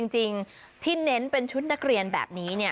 จริงที่เน้นเป็นชุดนักเรียนแบบนี้เนี่ย